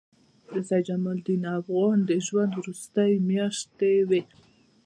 دا د سید جمال الدین افغاني د ژوند وروستۍ میاشتې وې.